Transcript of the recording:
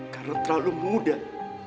karena terlalu mudah